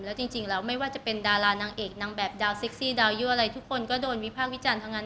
แล้วจริงแล้วไม่ว่าจะเป็นดารานางเอกนางแบบดาวเซ็กซี่ดาวยั่วอะไรทุกคนก็โดนวิพากษ์วิจารณ์ทั้งนั้น